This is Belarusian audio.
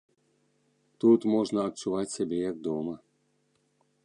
Тут можна адчуваць сябе як дома.